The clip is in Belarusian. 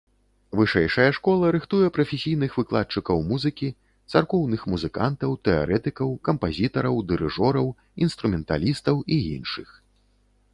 Вышэйшая школа рыхтуе прафесійных выкладчыкаў музыкі, царкоўных музыкантаў, тэарэтыкаў, кампазітараў, дырыжораў, інструменталістаў і іншых.